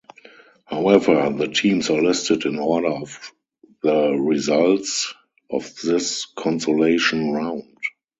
However the teams are listed in order of the results of this consolation round.